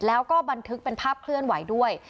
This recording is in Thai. แล้วก็บันทึกเป็นภาพเคลื่อนไหวด้วย